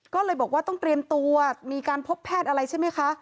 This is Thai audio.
ก็เลยบอกว่าต้องเตรียมตัวมีการพบแพทย์อะไรใช่ไหมคะ